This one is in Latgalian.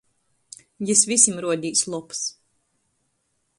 Jis vysim ruodīs lobs.